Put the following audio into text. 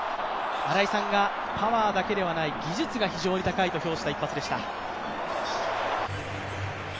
新井さんがパワーだけではない技術が非常に高いと評した一発でした。